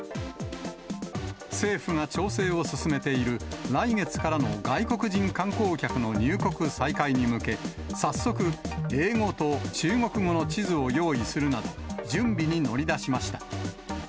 政府が調整を進めている来月からの外国人観光客の入国再開に向け、早速、英語と中国語の地図を用意するなど、準備に乗り出しました。